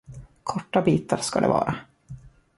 Korta bitar ska det vara.